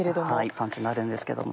パンチがあるんですけども。